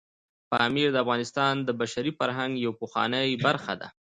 پامیر د افغانستان د بشري فرهنګ یوه پخوانۍ برخه ده.